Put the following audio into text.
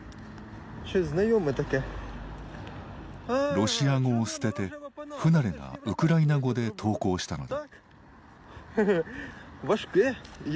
ロシア語を捨てて不慣れなウクライナ語で投稿したのだ。